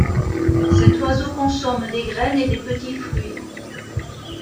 Cet oiseau consomme des graines et des petits fruits.